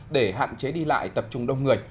để hạn chế đi lại tập trung đông người